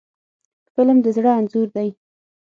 فلم د زړه انځور دی